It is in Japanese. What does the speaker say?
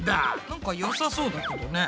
なんかよさそうだけどね。